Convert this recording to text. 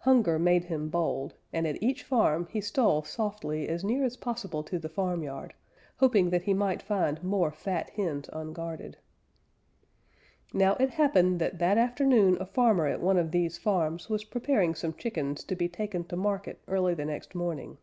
Hunger made him bold, and at each farm he stole softly as near as possible to the farmyard, hoping that he might find more fat hens unguarded. Now it happened that that afternoon a farmer at one of these farms was preparing some chickens to be taken to market early the next morning.